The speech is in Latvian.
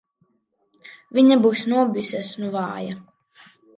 Viņa būs nobijusies un vāja.